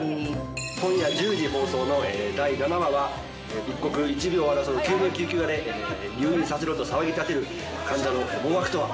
今夜１０時放送の第７話は、一刻一秒を争うで入院させろと騒ぎ立てる患者の思惑とは。